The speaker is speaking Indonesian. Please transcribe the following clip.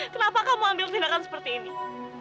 kenapa kamu ambil tindakan seperti ini